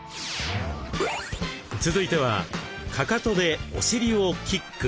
続いてはかかとでお尻をキック。